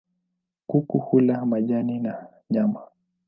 Kuku hula majani na nyama.